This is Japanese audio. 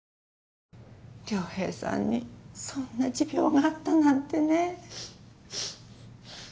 良平さんにそんな持病があったなんてね。